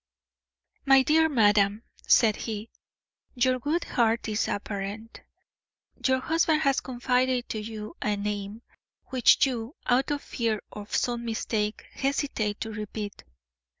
"My dear madam," said he, "your good heart is apparent; your husband has confided to you a name which you, out of fear of some mistake, hesitate to repeat.